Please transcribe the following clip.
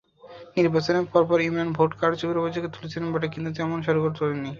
নির্বাচনের পরপর ইমরান ভোট কারচুপির অভিযোগ তুলেছিলেন বটে, কিন্তু তেমন শোরগোল তোলেননি।